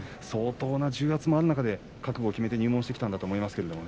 相当な重圧もある中で覚悟を決めて入門してきたんだと思います。